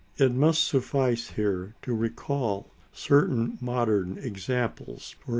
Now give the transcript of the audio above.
It must suffice here to recall certain modern examples, _e.